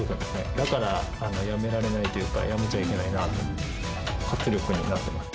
だからやめられないというか、やめちゃいけないなと、活力になってます。